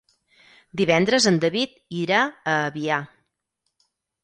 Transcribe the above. Divendres en David irà a Avià.